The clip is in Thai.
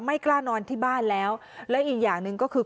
ไม่กล้านอนที่บ้านแล้วแล้วอีกอย่างหนึ่งก็คือ